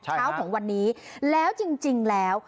ใช่ค่ะคราวของวันนี้แล้วจริงแล้ว